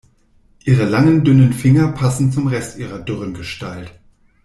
Ihre langen, dünnen Finger passen zum Rest ihrer dürren Gestalt.